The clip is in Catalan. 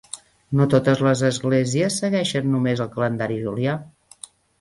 No totes les esglésies segueixen només el calendari julià.